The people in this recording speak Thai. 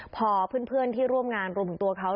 พอเพื่อนที่ร่วมงานรวมถึงตัวเขา